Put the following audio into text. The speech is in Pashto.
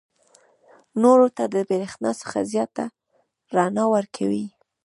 نورو ته د برېښنا څخه زیاته رڼا ورکوي.